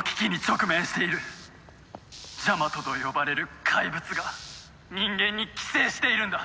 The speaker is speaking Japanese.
「ジャマトと呼ばれる怪物が人間に寄生しているんだ！」